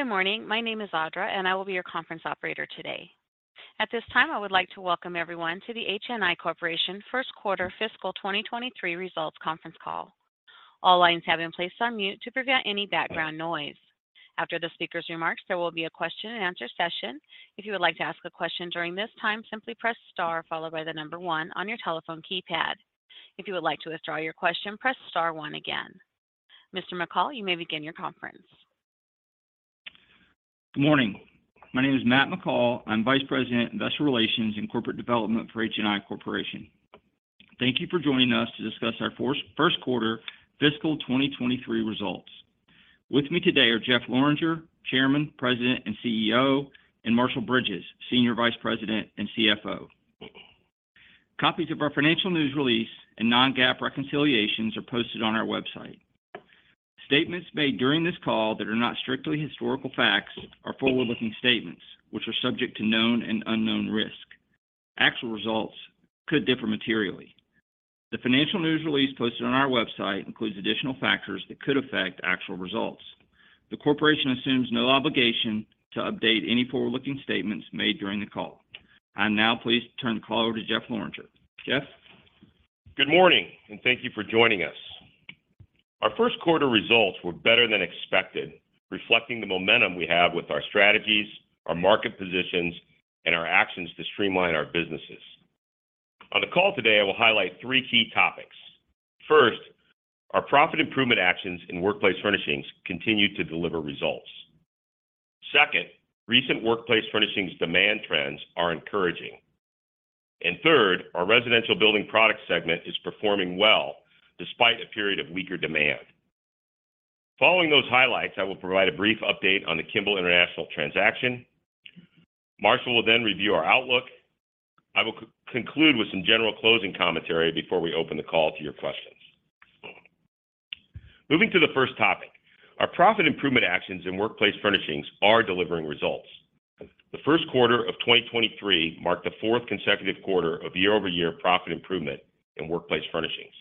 Good morning. My name is Audra, and I will be your conference operator today. At this time, I would like to welcome everyone to the HNI Corporation First Quarter Fiscal 2023 Results Conference Call. All lines have been placed on mute to prevent any background noise. After the speaker's remarks, there will be a question-and-answer session. If you would like to ask a question during this time, simply press star followed by the number one on your telephone keypad. If you would like to withdraw your question, press star One again. Mr. McCall, you may begin your conference. Good morning. My name is Matt McCall. I'm Vice President, Investor Relations and Corporate Development for HNI Corporation. Thank you for joining us to discuss our first quarter fiscal 2023 results. With me today are Jeff Lorenger, Chairman, President, and CEO, and Marshall Bridges, Senior Vice President and CFO. Copies of our financial news release and non-GAAP reconciliations are posted on our website. Statements made during this call that are not strictly historical facts are forward-looking statements which are subject to known and unknown risk. Actual results could differ materially. The financial news release posted on our website includes additional factors that could affect actual results. The corporation assumes no obligation to update any forward-looking statements made during the call. I'm now pleased to turn the call over to Jeff Lorenger. Jeff? Good morning, and thank you for joining us. Our first quarter results were better than expected, reflecting the momentum we have with our strategies, our market positions, and our actions to streamline our businesses. On the call today, I will highlight three key topics. First, our profit improvement actions in Workplace Furnishings continue to deliver results. Second, recent Workplace Furnishings demand trends are encouraging. Third, our Residential Building Products segment is performing well despite a period of weaker demand. Following those highlights, I will provide a brief update on the Kimball International transaction. Marshall will then review our outlook. I will conclude with some general closing commentary before we open the call to your questions. Moving to the first topic, our profit improvement actions in Workplace Furnishings are delivering results. The first quarter of 2023 marked the fourth consecutive quarter of year-over-year profit improvement in Workplace Furnishings.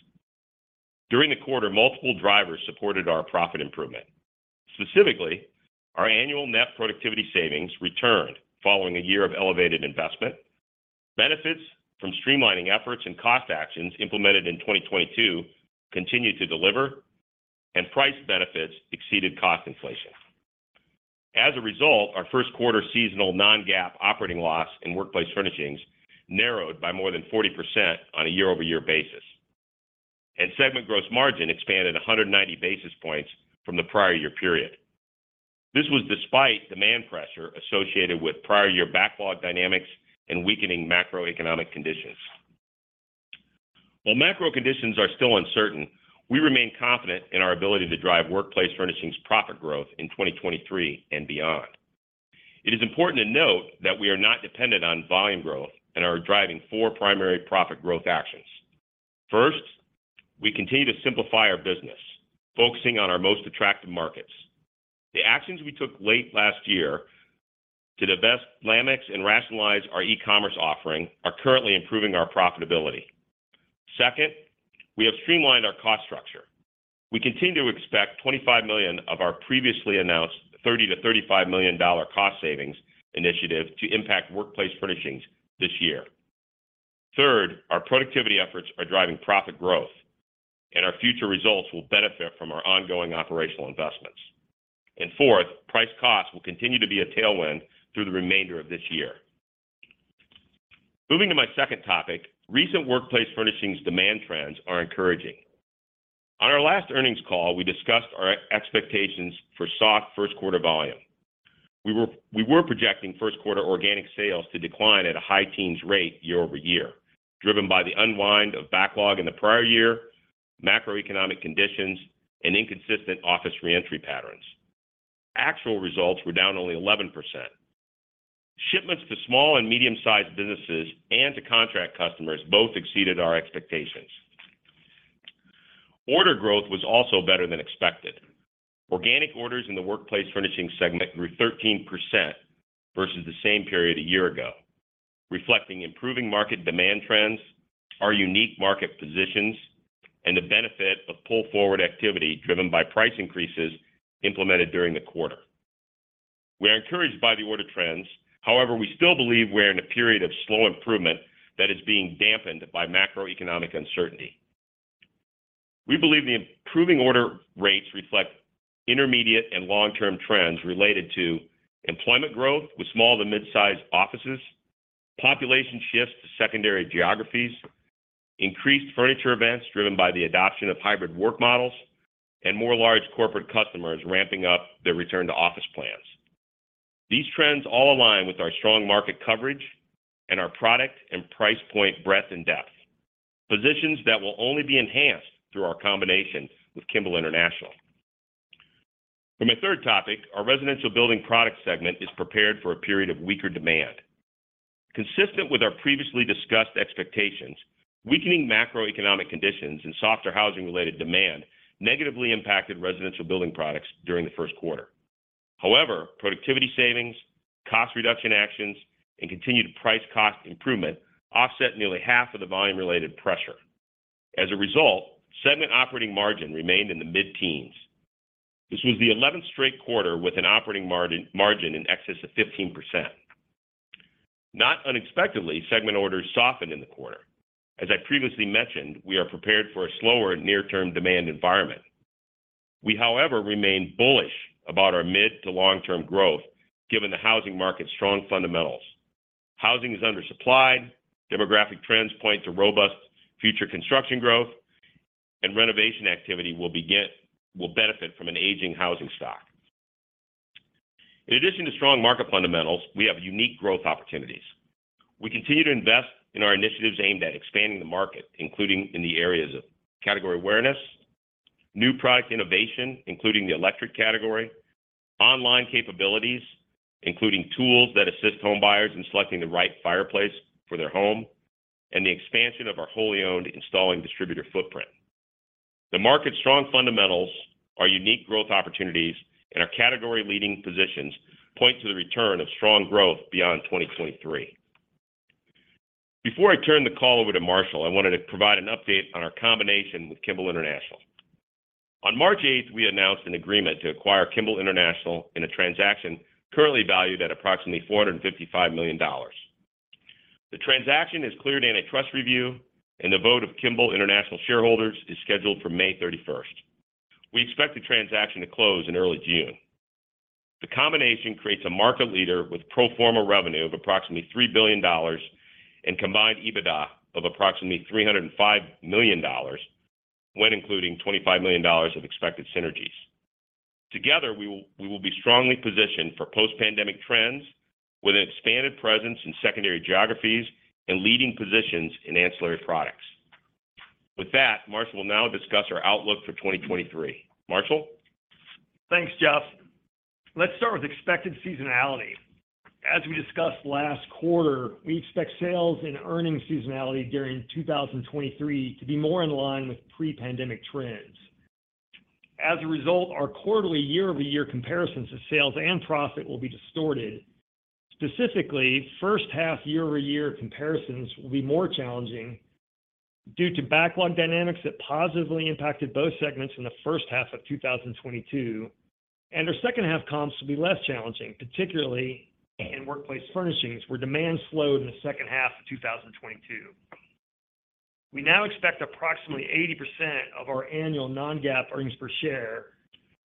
During the quarter, multiple drivers supported our profit improvement. Specifically, our annual net productivity savings returned following a year of elevated investment. Benefits from streamlining efforts and cost actions implemented in 2022 continued to deliver, and price benefits exceeded cost inflation. As a result, our first quarter seasonal non-GAAP operating loss in Workplace Furnishings narrowed by more than 40% on a year-over-year basis. Segment gross margin expanded 190 basis points from the prior year period. This was despite demand pressure associated with prior year backlog dynamics and weakening macroeconomic conditions. While macro conditions are still uncertain, we remain confident in our ability to drive Workplace Furnishings profit growth in 2023 and beyond. It is important to note that we are not dependent on volume growth and are driving four primary profit growth actions. First, we continue to simplify our business, focusing on our most attractive markets. The actions we took late last year to divest Lamex and rationalize our e-commerce offering are currently improving our profitability. Second, we have streamlined our cost structure. We continue to expect $25 million of our previously announced $30 million-$35 million cost savings initiative to impact Workplace Furnishings this year. Third, our productivity efforts are driving profit growth, and our future results will benefit from our ongoing operational investments. Fourth, price cost will continue to be a tailwind through the remainder of this year. Moving to my second topic, recent Workplace Furnishings demand trends are encouraging. On our last earnings call, we discussed our expectations for soft first quarter volume. We were projecting first quarter organic sales to decline at a high teens rate year-over-year, driven by the unwind of backlog in the prior year, macroeconomic conditions, and inconsistent office reentry patterns. Actual results were down only 11%. Shipments to small and medium-sized businesses and to contract customers both exceeded our expectations. Order growth was also better than expected. Organic orders in the Workplace Furnishings segment grew 13% versus the same period a year ago, reflecting improving market demand trends, our unique market positions, and the benefit of pull-forward activity driven by price increases implemented during the quarter. We are encouraged by the order trends. However, we still believe we're in a period of slow improvement that is being dampened by macroeconomic uncertainty. We believe the improving order rates reflect intermediate and long-term trends related to employment growth with small to mid-sized offices, population shifts to secondary geographies, increased furniture events driven by the adoption of hybrid work models, and more large corporate customers ramping up their return to office plans. These trends all align with our strong market coverage and our product and price point breadth and depth. Positions that will only be enhanced through our combination with Kimball International. For my third topic, our Residential Building Products segment is prepared for a period of weaker demand. Consistent with our previously discussed expectations, weakening macroeconomic conditions and softer housing-related demand negatively impacted Residential Building Products during the first quarter. However, productivity savings, cost reduction actions, and continued price cost improvement offset nearly half of the volume-related pressure. As a result, segment operating margin remained in the mid-teens. This was the eleventh straight quarter with an operating margin in excess of 15%. Not unexpectedly, segment orders softened in the quarter. As I previously mentioned, we are prepared for a slower near-term demand environment. We, however, remain bullish about our mid to long-term growth given the housing market's strong fundamentals. Housing is undersupplied, demographic trends point to robust future construction growth, and renovation activity will benefit from an aging housing stock. In addition to strong market fundamentals, we have unique growth opportunities. We continue to invest in our initiatives aimed at expanding the market, including in the areas of category awareness, new product innovation, including the electric category, online capabilities, including tools that assist homebuyers in selecting the right fireplace for their home, and the expansion of our wholly owned installing distributor footprint. The market's strong fundamentals, our unique growth opportunities, and our category-leading positions point to the return of strong growth beyond 2023. Before I turn the call over to Marshall, I wanted to provide an update on our combination with Kimball International. On March 8th, we announced an agreement to acquire Kimball International in a transaction currently valued at approximately $455 million. The transaction is cleared in a trust review. The vote of Kimball International shareholders is scheduled for May 31st. We expect the transaction to close in early June. The combination creates a market leader with pro forma revenue of approximately $3 billion and combined EBITDA of approximately $305 million when including $25 million of expected synergies. Together, we will be strongly positioned for post-pandemic trends with an expanded presence in secondary geographies and leading positions in ancillary products. Marshall will now discuss our outlook for 2023. Marshall? Thanks, Jeff. Let's start with expected seasonality. As we discussed last quarter, we expect sales and earnings seasonality during 2023 to be more in line with pre-pandemic trends. As a result, our quarterly year-over-year comparisons of sales and profit will be distorted. Specifically, first half year-over-year comparisons will be more challenging due to backlog dynamics that positively impacted both segments in the first half of 2022, and our second half comps will be less challenging, particularly in Workplace Furnishings, where demand slowed in the second half of 2022. We now expect approximately 80% of our annual non-GAAP earnings per share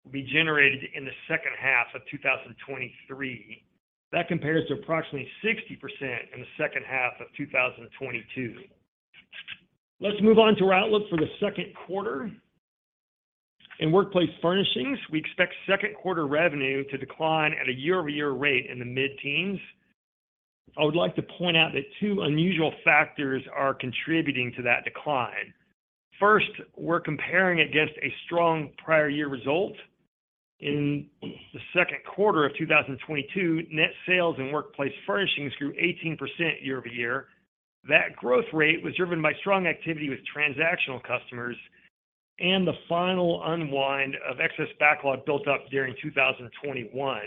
will be generated in the second half of 2023. That compares to approximately 60% in the second half of 2022. Let's move on to our outlook for the second quarter. In Workplace Furnishings, we expect second quarter revenue to decline at a year-over-year rate in the mid-teens. I would like to point out that two unusual factors are contributing to that decline. We're comparing against a strong prior year result. In the second quarter of 2022, net sales in Workplace Furnishings grew 18% year-over-year. That growth rate was driven by strong activity with transactional customers and the final unwind of excess backlog built up during 2021.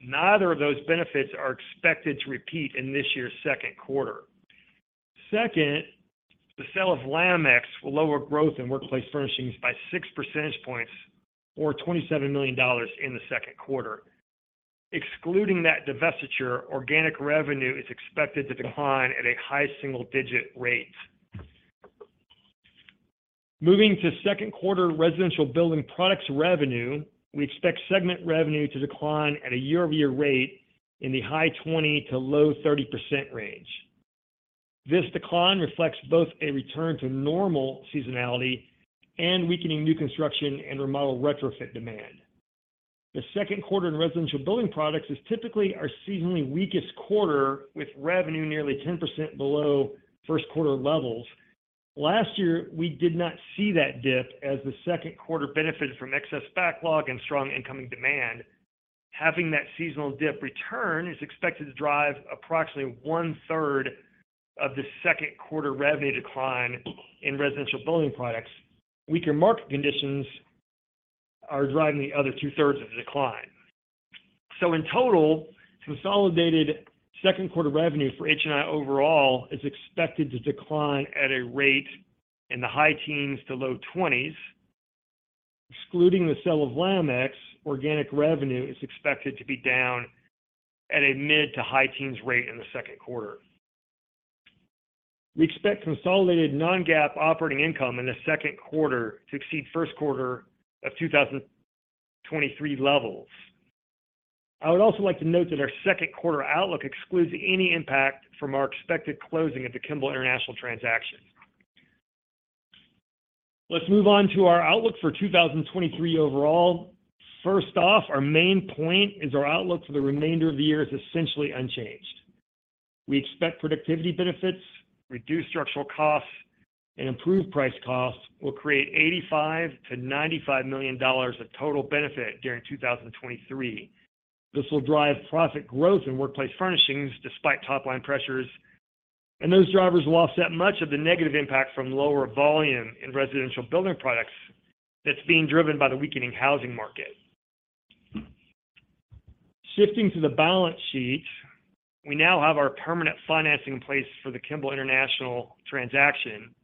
Neither of those benefits are expected to repeat in this year's second quarter. The sale of Lamex will lower growth in Workplace Furnishings by 6 percentage points or $27 million in the second quarter. Excluding that divestiture, organic revenue is expected to decline at a high single-digit rate. Moving to second quarter Residential Building Products revenue, we expect segment revenue to decline at a year-over-year rate in the high 20%-low 30% range. This decline reflects both a return to normal seasonality and weakening new construction and remodel retrofit demand. The second quarter in Residential Building Products is typically our seasonally weakest quarter, with revenue nearly 10% below first quarter levels. Last year, we did not see that dip as the second quarter benefited from excess backlog and strong incoming demand. Having that seasonal dip return is expected to drive approximately one-third of the second quarter revenue decline in Residential Building Products. Weaker market conditions are driving the other two-thirds of the decline. In total, consolidated second quarter revenue for HNI overall is expected to decline at a rate in the high teens-low 20s. Excluding the sale of Lamex, organic revenue is expected to be down at a mid to high teens rate in the second quarter. We expect consolidated non-GAAP operating income in the second quarter to exceed first quarter of 2023 levels. I would also like to note that our second quarter outlook excludes any impact from our expected closing of the Kimball International transaction. Let's move on to our outlook for 2023 overall. First off, our main point is our outlook for the remainder of the year is essentially unchanged. We expect productivity benefits, reduced structural costs, and improved price costs will create $85 million-$95 million of total benefit during 2023. This will drive profit growth in Workplace Furnishings despite top-line pressures, and those drivers will offset much of the negative impact from lower volume in Residential Building Products that's being driven by the weakening housing market. Shifting to the balance sheet, we now have our permanent financing in place for the Kimball International transaction.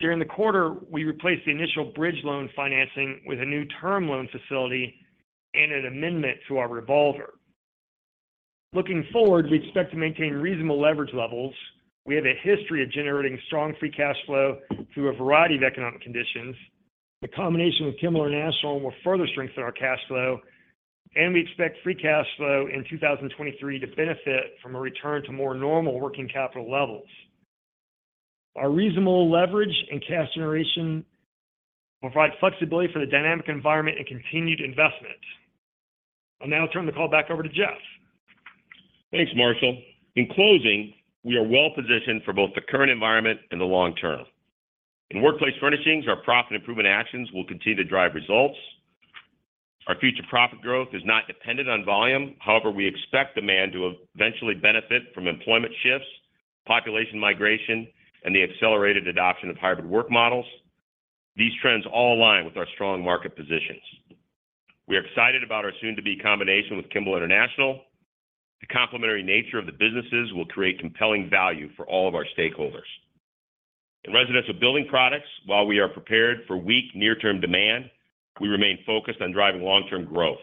During the quarter, we replaced the initial bridge loan financing with a new term loan facility and an amendment to our revolver. Looking forward, we expect to maintain reasonable leverage levels. We have a history of generating strong free cash flow through a variety of economic conditions. The combination with Kimball International will further strengthen our cash flow, and we expect free cash flow in 2023 to benefit from a return to more normal working capital levels. Our reasonable leverage and cash generation will provide flexibility for the dynamic environment and continued investment. I'll now turn the call back over to Jeff. Thanks, Marshall. In closing, we are well-positioned for both the current environment and the long term. In Workplace Furnishings, our profit improvement actions will continue to drive results. Our future profit growth is not dependent on volume. However, we expect demand to eventually benefit from employment shifts, population migration, and the accelerated adoption of hybrid work models. These trends all align with our strong market positions. We are excited about our soon-to-be combination with Kimball International. The complementary nature of the businesses will create compelling value for all of our stakeholders. In Residential Building Products, while we are prepared for weak near-term demand, we remain focused on driving long-term growth.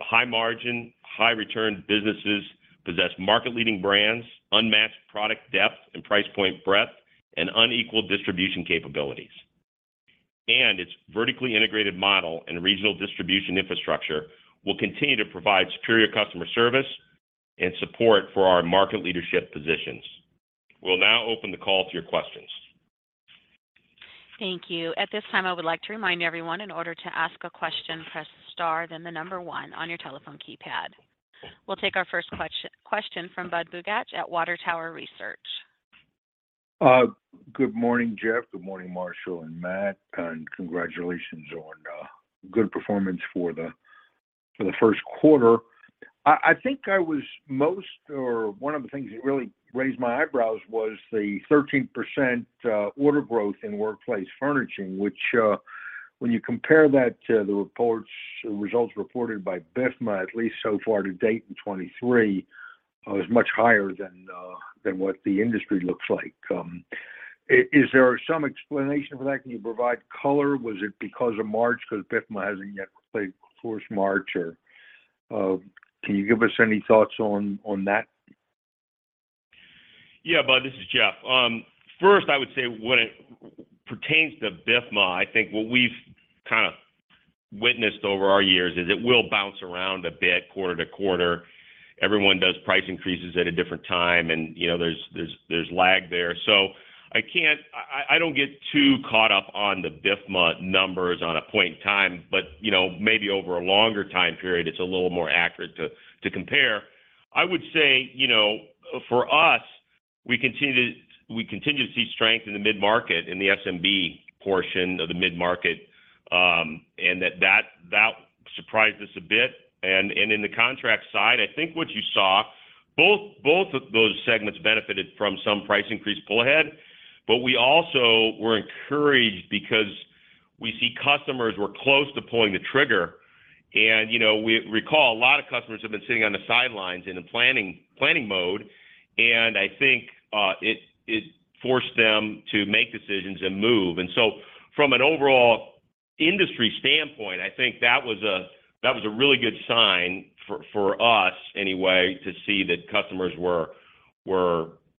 The high margin, high return businesses possess market-leading brands, unmatched product depth and price point breadth, and unequal distribution capabilities. Its vertically integrated model and regional distribution infrastructure will continue to provide superior customer service and support for our market leadership positions. We'll now open the call to your questions. Thank you. At this time, I would like to remind everyone, in order to ask a question, press star then the number one on your telephone keypad. We'll take our first question from Budd Bugatch at Water Tower Research. Good morning, Jeff. Good morning, Marshall and Matt, congratulations on good performance for the first quarter. I think I was most or one of the things that really raised my eyebrows was the 13% order growth in Workplace Furnishings, which when you compare that to the reports, results reported by BIFMA, at least so far to date in 2023, was much higher than what the industry looks like. Is there some explanation for that? Can you provide color? Was it because of March? BIFMA hasn't yet completed course March or, can you give us any thoughts on that? Yeah, Bud. This is Jeff. First, I would say when it pertains to BIFMA, I think what we've kind of witnessed over our years is it will bounce around a bit quarter to quarter. Everyone does price increases at a different time, you know, there's lag there. I don't get too caught up on the BIFMA numbers on a point in time. You know, maybe over a longer time period, it's a little more accurate to compare. I would say, you know, for us, we continue to see strength in the mid-market, in the SMB portion of the mid-market, that surprised us a bit. In the contract side, I think what you saw, both of those segments benefited from some price increase pull ahead, but we also were encouraged because we see customers were close to pulling the trigger. You know, we recall a lot of customers have been sitting on the sidelines in a planning mode, and I think it forced them to make decisions and move. From an overall industry standpoint, I think that was a really good sign for us anyway to see that customers were,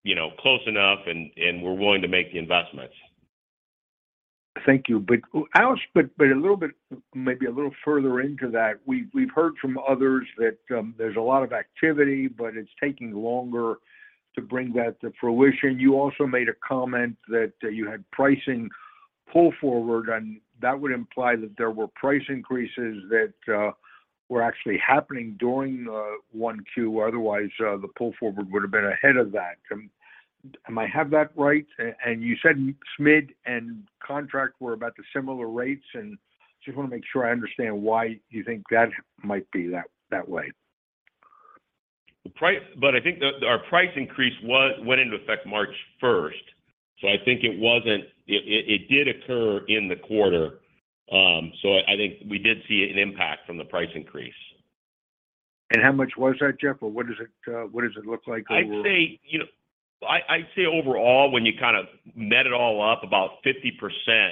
you know, close enough and were willing to make the investments. Thank you. I also a little bit, maybe a little further into that, we've heard from others that there's a lot of activity, but it's taking longer to bring that to fruition. You also made a comment that you had pricing pull forward, and that would imply that there were price increases that were actually happening during 1Q. Otherwise, the pull forward would have been ahead of that. Am I have that right? You said SMid and contract were about the similar rates, just wanna make sure I understand why you think that might be that way. Bud, I think the, our price increase went into effect March first, I think It did occur in the quarter. I think we did see an impact from the price increase. How much was that, Jeff? Or what does it, what does it look like overall? I'd say, you know, I'd say overall, when you kind of net it all up, about 50%,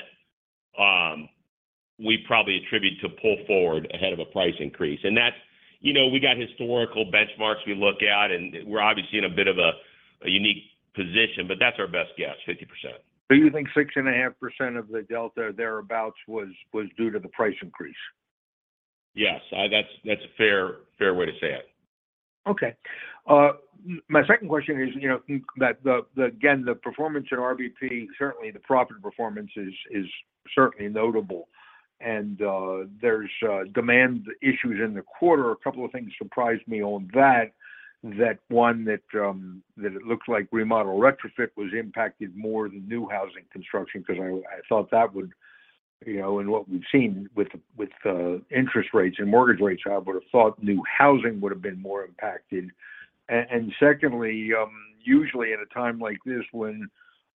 we probably attribute to pull forward ahead of a price increase. That's, you know, we got historical benchmarks we look at, and we're obviously in a unique position, but that's our best guess, 50%. You think 6.5% of the delta thereabouts was due to the price increase? Yes. That's a fair way to say it. Okay. my second question is, you know, that the again, the performance in RBP, certainly the profit performance is certainly notable. There's demand issues in the quarter. A couple of things surprised me on that one, that it looks like remodel retrofit was impacted more than new housing construction because I thought that would, you know. What we've seen with interest rates and mortgage rates, I would have thought new housing would have been more impacted. Secondly, usually at a time like this when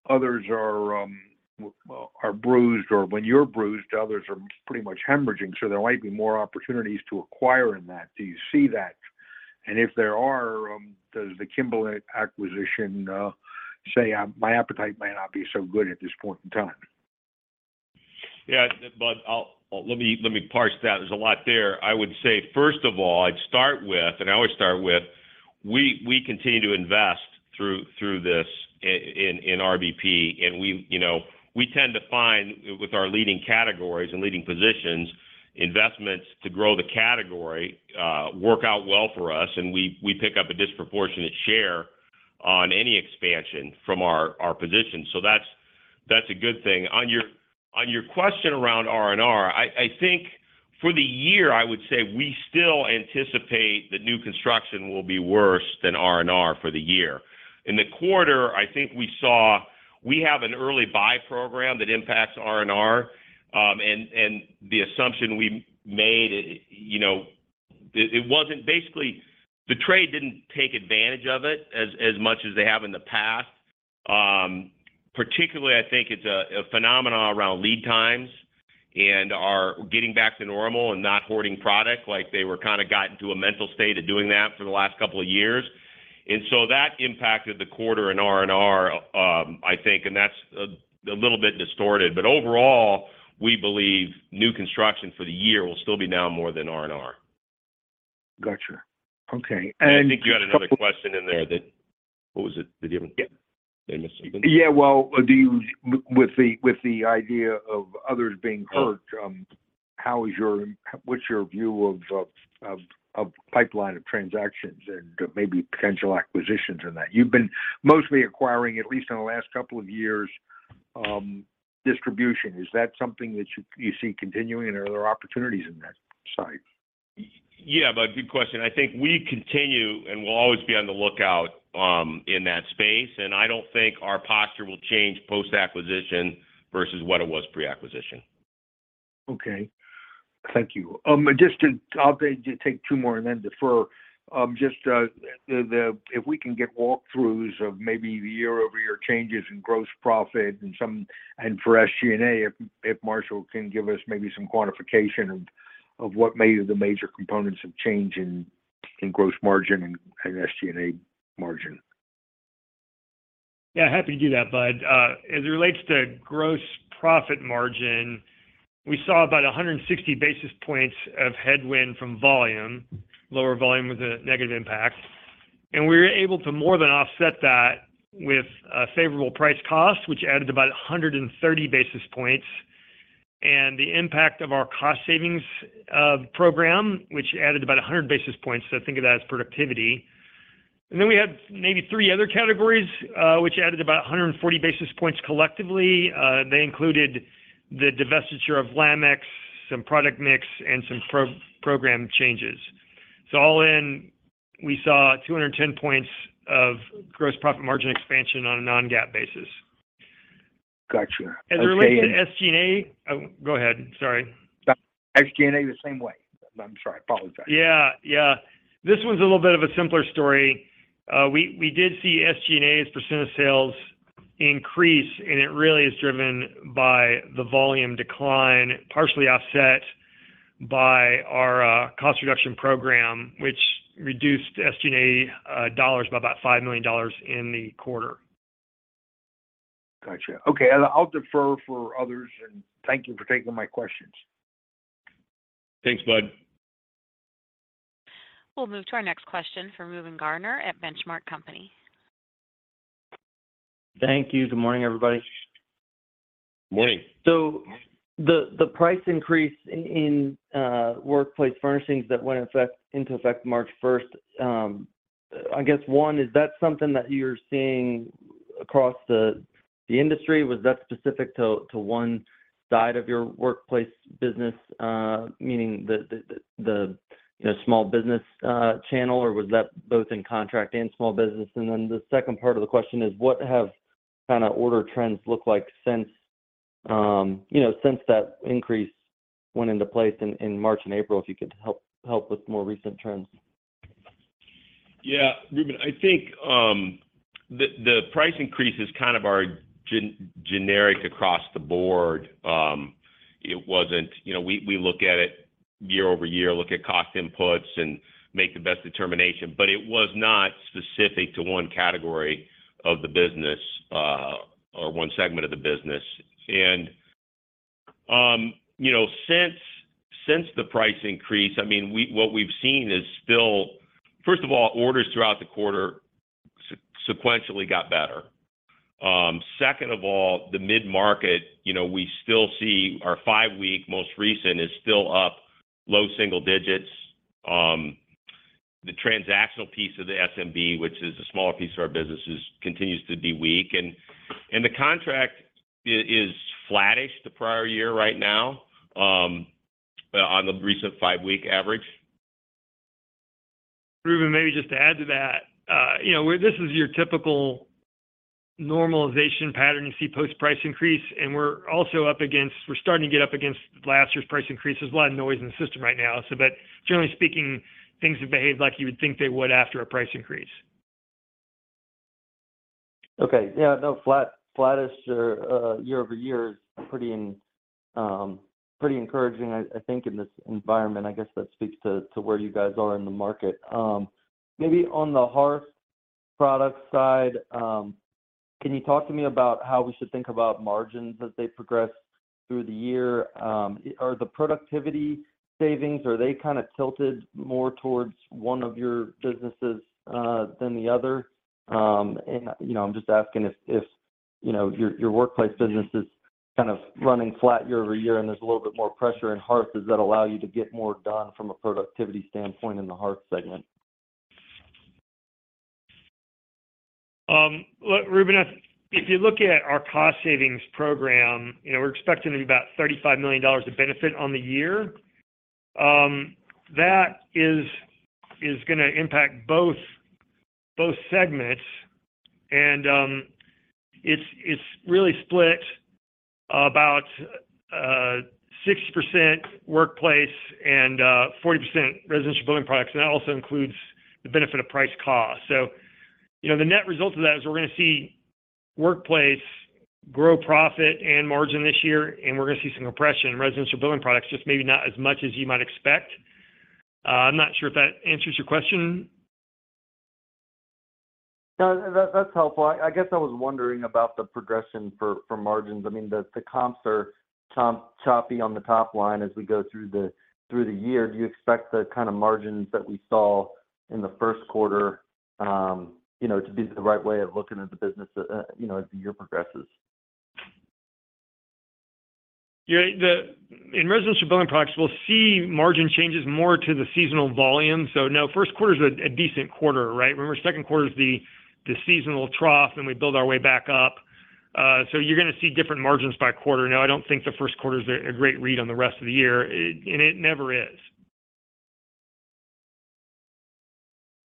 others are bruised or when you're bruised, others are pretty much hemorrhaging, so there might be more opportunities to acquire in that. Do you see that? If there are, does the Kimball acquisition say, "my appetite might not be so good at this point in time"? Yeah, Budd, let me parse that. There's a lot there. I would say, first of all, I'd start with, and I always start with, we continue to invest through this in RBP. We, you know, we tend to find, with our leading categories and leading positions, investments to grow the category, work out well for us, and we pick up a disproportionate share on any expansion from our position. That's a good thing. On your question around R&R, I think for the year I would say we still anticipate that new construction will be worse than R&R for the year. In the quarter, I think we saw. We have an early buy program that impacts R&R, and the assumption we made, you know, it wasn't. Basically, the trade didn't take advantage of it as much as they have in the past. particularly I think it's a phenomenon around lead times and are getting back to normal and not hoarding product like they were kind of gotten to a mental state of doing that for the last couple of years. That impacted the quarter in R&R, I think, and that's a little bit distorted. Overall, we believe new construction for the year will still be down more than R&R. Gotcha. Okay. I think you had another question in there that. What was it? Yeah. Did I miss something? Yeah. Well, do you... With the idea of others being hurt- Oh What's your view of pipeline of transactions and maybe potential acquisitions in that? You've been mostly acquiring, at least in the last couple of years, distribution. Is that something that you see continuing, and are there opportunities in that space? Yeah, Budd, good question. I think we continue and will always be on the lookout in that space. I don't think our posture will change post-acquisition versus what it was pre-acquisition. Okay. Thank you. I'll take two more and then defer. If we can get walkthroughs of maybe the year-over-year changes in gross profit and for SG&A, if Marshall can give us maybe some quantification of what may be the major components of change in gross margin and SG&A margin. Yeah, happy to do that, Bud. As it relates to gross profit margin, we saw about 160 basis points of headwind from volume, lower volume with a negative impact. We were able to more than offset that with favorable price cost, which added about 130 basis points, and the impact of our cost savings program, which added about 100 basis points, so think of that as productivity. We had maybe three other categories, which added about 140 basis points collectively. They included the divestiture of Lamex, some product mix, and some pro-program changes. All in, we saw 210 points of gross profit margin expansion on a non-GAAP basis. Gotcha. Okay- As it related to SG&A. Oh, go ahead. Sorry. SG&A, the same way. I'm sorry. Apologize. Yeah. Yeah. This one's a little bit of a simpler story. we did see SG&A as a % of sales increase. It really is driven by the volume decline, partially offset by our, cost reduction program, which reduced SG&A, dollars by about $5 million in the quarter. Gotcha. Okay. I'll defer for others, and thank you for taking my questions. Thanks, Budd. We'll move to our next question from Reuben Garner at Benchmark Company. Thank you. Good morning, everybody. Morning. The price increase in Workplace Furnishings that went into effect March first, I guess one, is that something that you're seeing across the industry? Was that specific to one side of your workplace business, meaning the, you know, small business channel, or was that both in contract and small business? The second part of the question is, what have kinda order trends looked like since, you know, since that increase went into place in March and April? If you could help with more recent trends. Yeah. Reuben, I think the price increase is kind of our generic across the board. You know, we look at it year-over-year, look at cost inputs and make the best determination, but it was not specific to one category of the business or one segment of the business. You know, since the price increase, I mean, what we've seen. First of all, orders throughout the quarter sequentially got better. Second of all, the mid-market, you know, we still see our five-week, most recent, is still up low single digits. The transactional piece of the SMB, which is a smaller piece of our business, is continues to be weak. The contract is flattish the prior year right now on the recent five-week average. Reuben, maybe just to add to that, you know, this is your typical normalization pattern you see post price increase. We're starting to get up against last year's price increase. There's a lot of noise in the system right now, so but generally speaking, things have behaved like you would think they would after a price increase. Okay. Yeah, no, flat, flattest or year-over-year is pretty pretty encouraging. I think in this environment, I guess that speaks to where you guys are in the market. Maybe on the Hearth product side, can you talk to me about how we should think about margins as they progress through the year? The productivity savings, are they kind of tilted more towards one of your businesses than the other? You know, I'm just asking if, you know, your Workplace business is kind of running flat year-over-year and there's a little bit more pressure in Hearth. Does that allow you to get more done from a productivity standpoint in the Hearth segment? Look, Reuben, if you look at our cost savings program, you know, we're expecting about $35 million of benefit on the year. That is gonna impact both segments and it's really split about 60% Workplace and 40% Residential Building Products, and that also includes the benefit of price cost. You know, the net result of that is we're gonna see Workplace grow profit and margin this year, and we're gonna see some compression in Residential Building Products, just maybe not as much as you might expect. I'm not sure if that answers your question. No, that's helpful. I guess I was wondering about the progression for margins. I mean, the comps are choppy on the top line as we go through the year. Do you expect the kinda margins that we saw in the first quarter, you know, to be the right way of looking at the business, you know, as the year progresses? Yeah. In Residential Building Products, we'll see margin changes more to the seasonal volume. Now first quarter's a decent quarter, right? Remember second quarter is the seasonal trough, we build our way back up. You're gonna see different margins by quarter. Now, I don't think the first quarter's a great read on the rest of the year. It never is.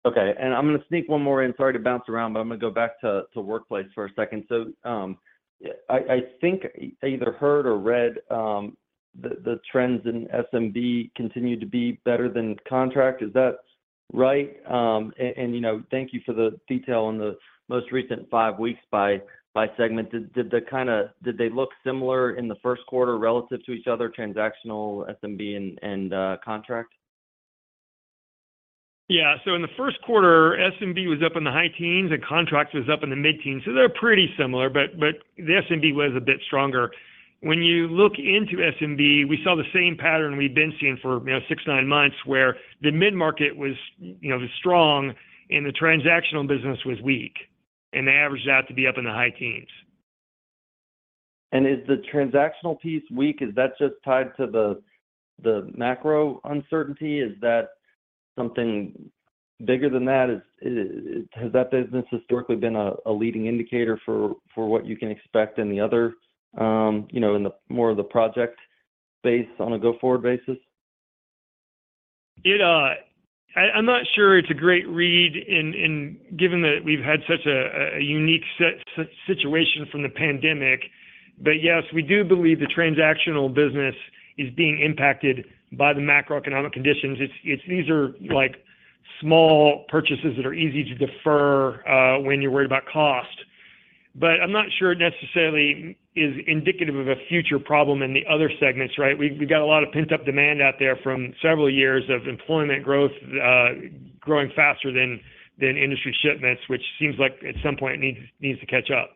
Okay. I'm gonna sneak one more in. Sorry to bounce around, I'm gonna go back to workplace for a second. I think I either heard or read, the trends in SMB continue to be better than contract. Is that right? You know, thank you for the detail on the most recent five weeks by segment. Did they look similar in the first quarter relative to each other, transactional SMB and contract? Yeah. In the first quarter, SMB was up in the high teens and contracts was up in the mid-teens, so they're pretty similar. The SMB was a bit stronger. When you look into SMB, we saw the same pattern we've been seeing for, you know, six, nine months, where the mid-market was, you know, was strong and the transactional business was weak, and they averaged out to be up in the high teens. Is the transactional piece weak? Is that just tied to the macro uncertainty? Is that something bigger than that? Has that business historically been a leading indicator for what you can expect in the other, you know, in the more of the project base on a go-forward basis? I'm not sure it's a great read in given that we've had such a unique situation from the pandemic. Yes, we do believe the transactional business is being impacted by the macroeconomic conditions. These are like small purchases that are easy to defer when you're worried about cost. I'm not sure it necessarily is indicative of a future problem in the other segments, right? We've got a lot of pent-up demand out there from several years of employment growth, growing faster than industry shipments, which seems like at some point needs to catch up.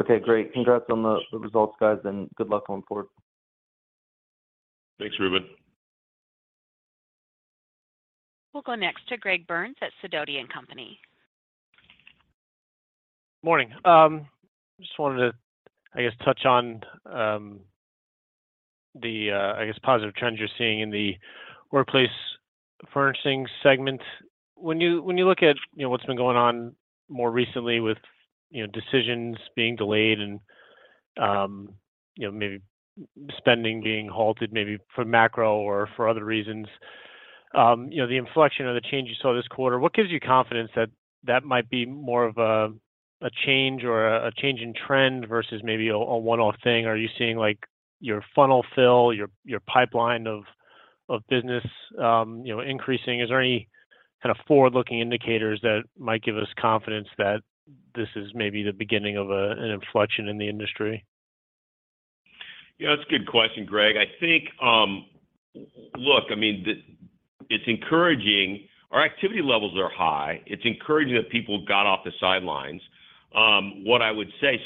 Okay, great. Congrats on the results, guys. Good luck going forward. Thanks, Reuben. We'll go next to Greg Burns at Sidoti & Company. Morning. Just wanted to, I guess, touch on the I guess positive trends you're seeing in the Workplace Furnishings segment. When you look at, you know, what's been going on more recently with, you know, decisions being delayed and, you know, maybe spending being halted, maybe for macro or for other reasons, you know, the inflection of the change you saw this quarter, what gives you confidence that that might be more of a change or a change in trend versus maybe a one-off thing? Are you seeing like your funnel fill, your pipeline of business, you know, increasing? Is there any kind of forward-looking indicators that might give us confidence that this is maybe the beginning of an inflection in the industry? Yeah, that's a good question, Greg. I think, look, I mean, it's encouraging. Our activity levels are high. It's encouraging that people got off the sidelines. What I would say...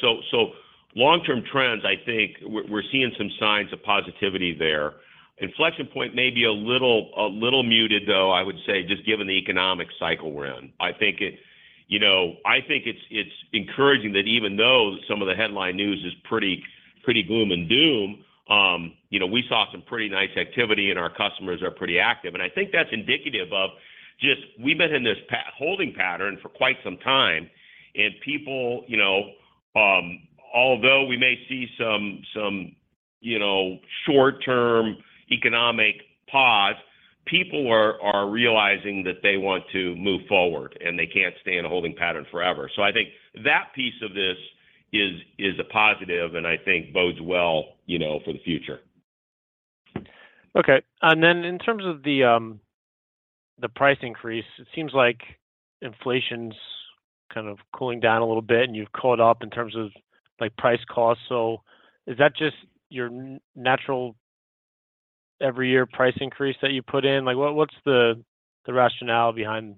Long-term trends, I think we're seeing some signs of positivity there. Inflection point may be a little muted though, I would say, just given the economic cycle we're in. I think, you know, it's encouraging that even though some of the headline news is pretty gloom and doom, you know, we saw some pretty nice activity and our customers are pretty active. I think that's indicative of just we've been in this holding pattern for quite some time. People, you know, although we may see some, you know, short-term economic pause. People are realizing that they want to move forward, and they can't stay in a holding pattern forever. I think that piece of this is a positive, and I think bodes well, you know, for the future. Okay. In terms of the price increase, it seems like inflation's kind of cooling down a little bit, and you've caught up in terms of, like, price cost. Is that just your natural every year price increase that you put in? Like, what's the rationale behind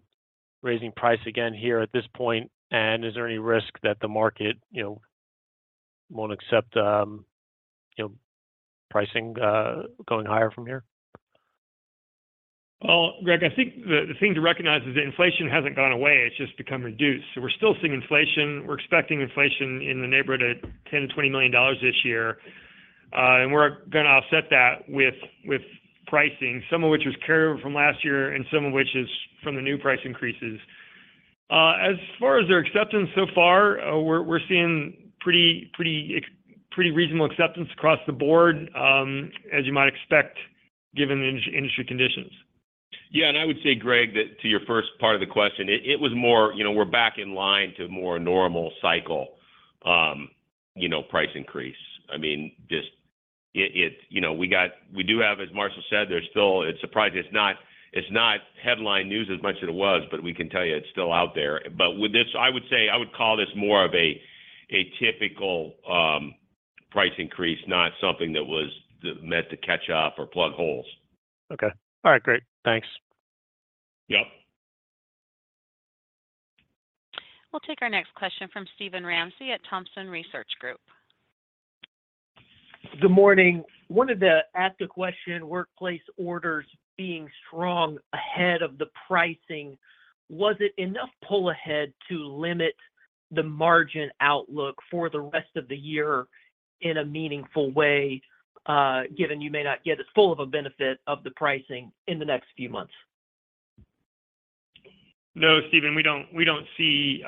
raising price again here at this point? Is there any risk that the market, you know, won't accept, you know, pricing going higher from here? Well, Greg, I think the thing to recognize is that inflation hasn't gone away. It's just become reduced. We're still seeing inflation. We're expecting inflation in the neighborhood of $10 million-$20 million this year. We're gonna offset that with pricing, some of which was carried over from last year and some of which is from the new price increases. As far as their acceptance so far, we're seeing pretty reasonable acceptance across the board, as you might expect given the industry conditions. Yeah. I would say, Greg, that to your first part of the question, it was more, you know, we're back in line to a more normal cycle, you know, price increase. I mean, just it. You know, we do have, as Marshall said, there's still. It's surprising it's not headline news as much as it was, but we can tell you it's still out there. With this, I would say, I would call this more of a typical price increase, not something that was meant to catch up or plug holes. Okay. All right, great. Thanks. Yep. We'll take our next question from Steven Ramsey at Thompson Research Group. Good morning. Wanted to ask a question, Workplace orders being strong ahead of the pricing, was it enough pull ahead to limit the margin outlook for the rest of the year in a meaningful way, given you may not get as full of a benefit of the pricing in the next few months? No, Steven, we don't see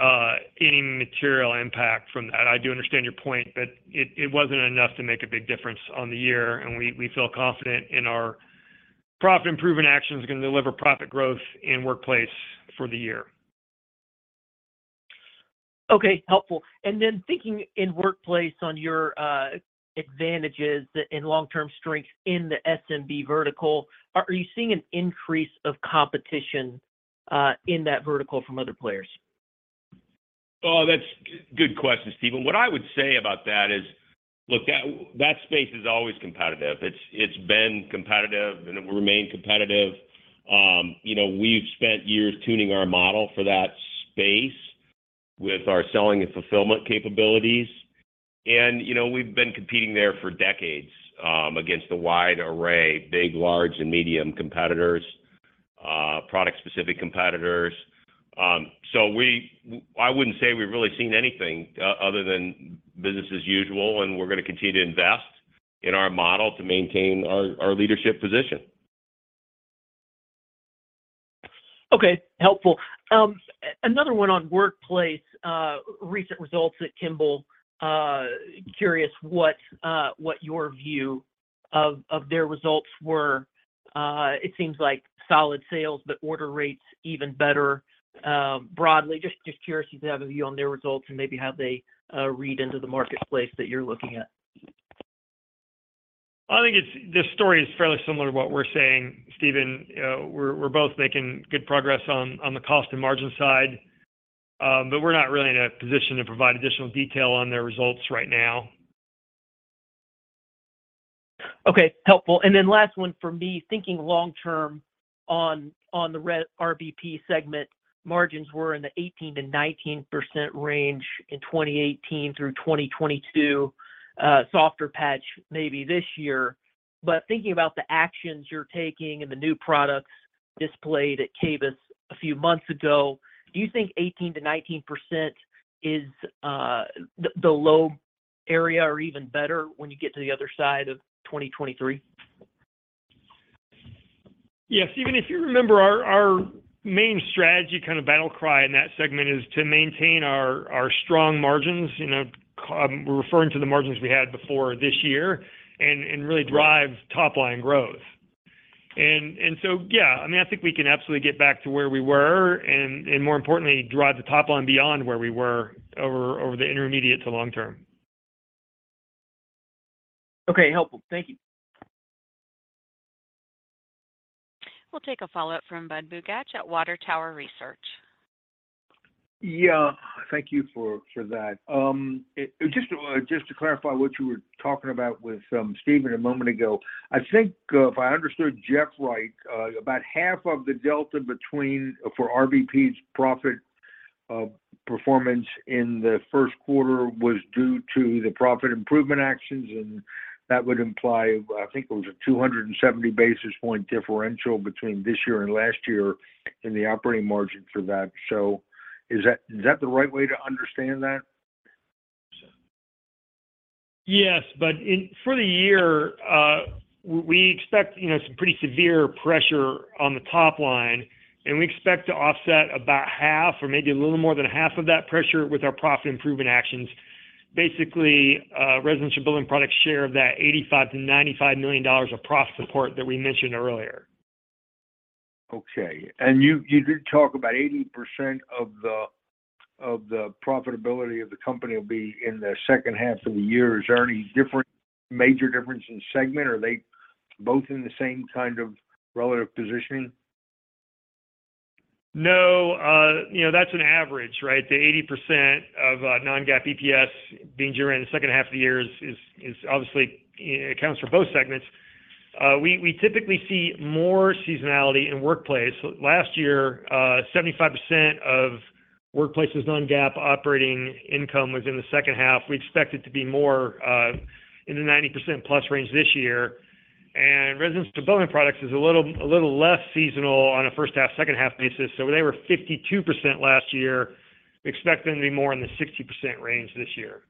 any material impact from that. I do understand your point, but it wasn't enough to make a big difference on the year, and we feel confident in our profit improvement actions gonna deliver profit growth in Workplace for the year. Okay. Helpful. Thinking in Workplace on your advantages that in long-term strengths in the SMB vertical, are you seeing an increase of competition in that vertical from other players? Oh, that's good question, Steven. What I would say about that is, look, that space is always competitive. It's been competitive, and it will remain competitive. you know, we've spent years tuning our model for that space with our selling and fulfillment capabilities. you know, we've been competing there for decades, against a wide array, big, large, and medium competitors, product-specific competitors. I wouldn't say we've really seen anything other than business as usual, and we're gonna continue to invest in our model to maintain our leadership position. Okay. Helpful. Another one on Workplace, recent results at Kimball. Curious what your view of their results were? It seems like solid sales, but order rates even better, broadly. Just curious to have a view on their results and maybe how they read into the marketplace that you're looking at? I think this story is fairly similar to what we're saying, Steven. We're both making good progress on the cost and margin side, but we're not really in a position to provide additional detail on their results right now. Okay. Helpful. Last one from me, thinking long term on the RBP segment margins were in the 18%-19% range in 2018 through 2022. Softer patch maybe this year. Thinking about the actions you're taking and the new products displayed at NeoCon a few months ago, do you think 18%-19% is the low area or even better when you get to the other side of 2023? Yeah. Steven, if you remember our main strategy kind of battle cry in that segment is to maintain our strong margins. You know, we're referring to the margins we had before this year and really drive top line growth. Yeah, I mean, I think we can absolutely get back to where we were and more importantly, drive the top line beyond where we were over the intermediate to long term. Okay. Helpful. Thank you. We'll take a follow-up from Budd Bugatch at Water Tower Research. Yeah. Thank you for that. just to clarify what you were talking about with Steven a moment ago. I think, if I understood Jeff right, about half of the delta between, for RBP's profit, performance in the first quarter was due to the profit improvement actions. That would imply, I think it was a 270 basis point differential between this year and last year in the operating margin for that. Is that the right way to understand that? Yes. for the year, we expect, you know, some pretty severe pressure on the top line, and we expect to offset about half or maybe a little more than half of that pressure with our profit improvement actions. Basically, Residential Building Products share of that $85 million-$95 million of profit support that we mentioned earlier. Okay. You did talk about 80% of the profitability of the company will be in the second half of the year. Is there any major difference in segment? Are they both in the same kind of relative positioning? No. you know, that's an average, right? The 80% of non-GAAP EPS being driven in the second half of the year is obviously, you know, accounts for both segments. We typically see more seasonality in Workplace. Last year, 75% of Workplace's non-GAAP operating income was in the second half. We expect it to be more in the 90%+ range this year. Residential Building Products is a little less seasonal on a first half, second half basis. They were 52% last year. Expecting to be more in the 60% range this year.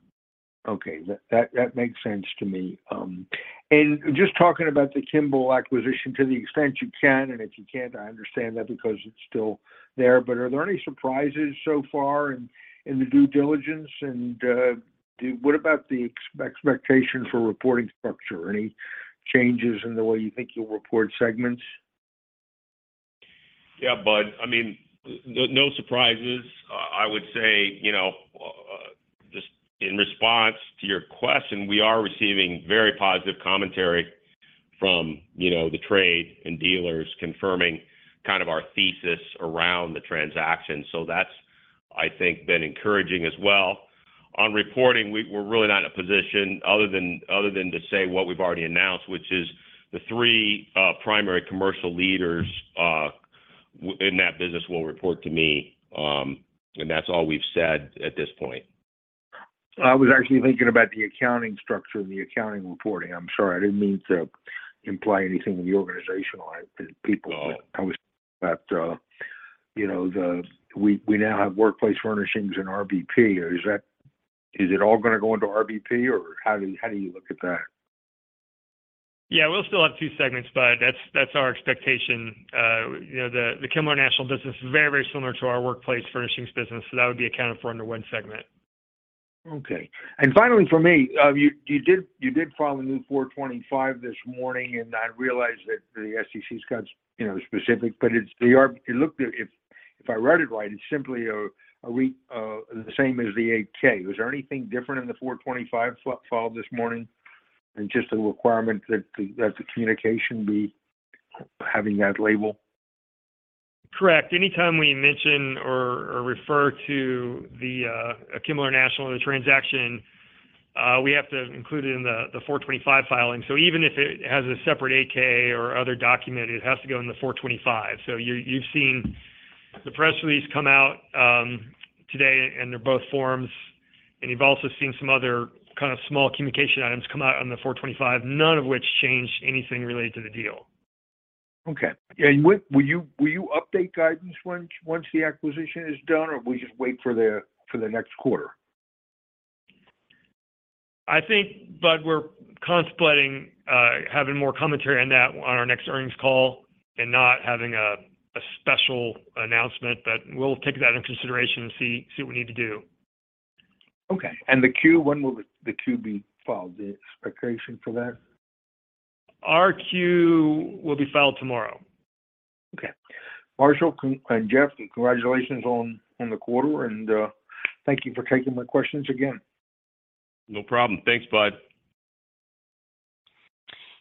Okay. That makes sense to me. Just talking about the Kimball acquisition to the extent you can, and if you can't, I understand that because it's still there. Are there any surprises so far in the due diligence? What about the expectation for reporting structure? Any changes in the way you think you'll report segments? Yeah, Bud. I mean, no surprises. I would say, you know, just in response to your question, we are receiving very positive commentary from, you know, the trade and dealers confirming kind of our thesis around the transaction. That's, I think, been encouraging as well. On reporting, we're really not in a position other than to say what we've already announced, which is the three primary commercial leaders in that business will report to me. That's all we've said at this point. I was actually thinking about the accounting structure and the accounting reporting. I'm sorry. I didn't mean to imply anything in the organizational people. you know, we now have Workplace Furnishings and RBP. Is it all gonna go into RBP, or how do you look at that? We'll still have two segments, Bud. That's our expectation. You know, the Kimball International business is very similar to our Workplace Furnishings business. That would be accounted for under one segment. Okay. Finally, for me, you did file a new Form 425 this morning, and I realize that the SEC's got, you know, specific. It looked... If I read it right, it's simply a, the same as the 8-K. Was there anything different in the Form 425 filed this morning than just the requirement that the communication be having that label? Correct. Anytime we mention or refer to Kimball International or the transaction, we have to include it in the Form 425 filing. Even if it has a separate 8-K or other document, it has to go in the Form 425. You, you've seen the press release come out today, and they're both forms. You've also seen some other kind of small communication items come out on the Form 425, none of which change anything related to the deal. Okay. Will you update guidance once the acquisition is done, or will we just wait for the next quarter? I think, Bud, we're contemplating having more commentary on that on our next earnings call and not having a special announcement. We'll take that into consideration and see what we need to do. Okay. The Q, when will the Q be filed in? Expectation for that? Our Q will be filed tomorrow. Okay. Marshall and Jeff, congratulations on the quarter and thank you for taking my questions again. No problem. Thanks, Bud.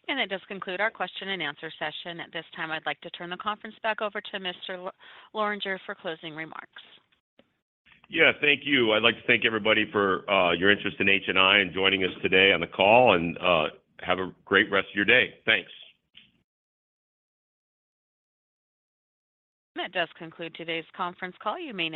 That does conclude our question and answer session. At this time, I'd like to turn the conference back over to Mr. Lorenger for closing remarks. Thank you. I'd like to thank everybody for your interest in HNI and joining us today on the call and have a great rest of your day. Thanks. That does conclude today's conference call. You may dis-